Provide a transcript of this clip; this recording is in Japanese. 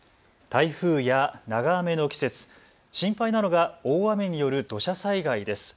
台風や長雨の季節、心配なのが大雨による土砂災害です。